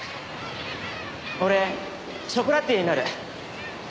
俺ショコラティエになる。